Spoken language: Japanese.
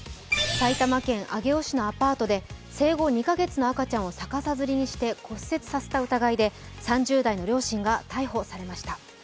埼玉県上尾市のアパートで生後２カ月の赤ちゃんを逆さづりにして骨折させた事件で３０代の両親が逮捕されました。